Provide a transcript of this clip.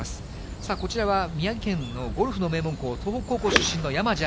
さあ、こちらは宮城県のゴルフの名門校、東北高校出身の山路晶。